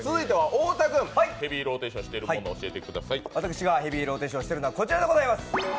私がヘビーローテーションしているのはこちらでございます。